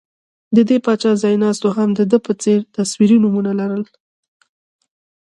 د دې پاچا ځایناستو هم د ده په څېر تصویري نومونه لرل